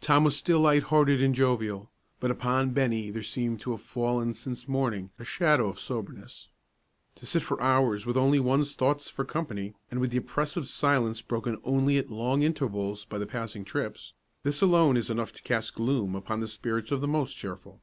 Tom was still light hearted and jovial, but upon Bennie there seemed to have fallen since morning a shadow of soberness. To sit for hours with only one's thoughts for company, and with the oppressive silence broken only at long intervals by the passing trips, this alone is enough to cast gloom upon the spirits of the most cheerful.